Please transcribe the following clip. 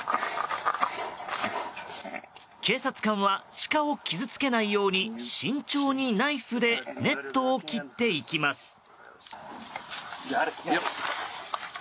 警察官はシカを傷つけないように慎重にナイフでネットを切っていきます。